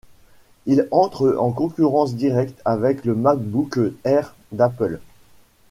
Il entre en concurrence directe avec le MacBook Air d'Apple.